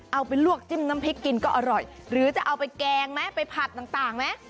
เอาไปลวกจิ้มน้ำพริกกินก็อร่อยหรือจะเอาไปแกงไหมไปผัดต่างไหม